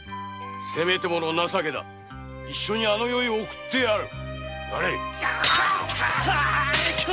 せめてもの情けだ一緒にあの世へ送ってやれ。